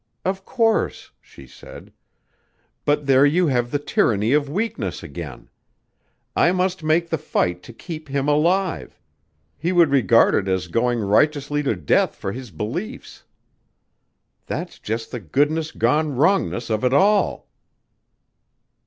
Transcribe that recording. "Of course," she said. "But there you have the tyranny of weakness again. I must make the fight to keep him alive. He would regard it as going righteously to death for his beliefs. That's just the goodness gone wrongness of it all."